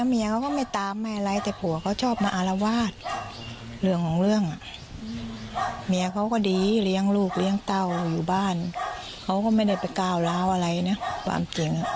เมียเขาก็ดีเลี้ยงลูกเลี้ยงเต้าอยู่บ้านเขาก็ไม่ได้ไปก้าวร้าวอะไรนะความจริง